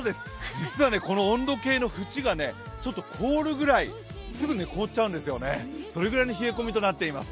実はこの温度計の縁がちょっと凍るぐらい、すぐ凍っちゃうんですよね、それくらいの冷え込みとなっています。